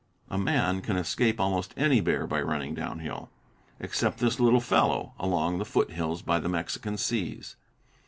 A man can escape almost any bear by running down hill, except this little fellow along the foothills by the Mexican seas.